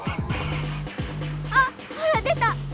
あっほら出た！